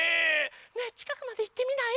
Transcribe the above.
ねえちかくまでいってみない？